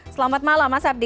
selamat malam mas habdi